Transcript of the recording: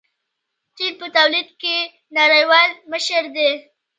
چین په تولید کې نړیوال مشر دی.